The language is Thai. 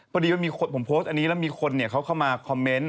ผมโพสต์อันนี้แล้วมีคนเขาเข้ามาคอมเม้นต์